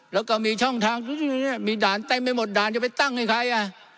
แล้วก็มีช่องทางมีด่านเต็มไปหมดด่านจะไปตั้งให้ใครอ่ะ